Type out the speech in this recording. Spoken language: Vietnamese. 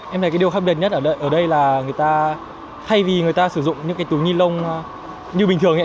em thấy điều khác biệt nhất ở đây là thay vì người ta sử dụng những túi ni lông như bình thường